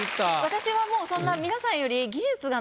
私はもうそんな皆さんより。